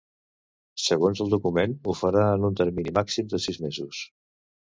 Segons el document, ho farà en un termini màxim de sis mesos.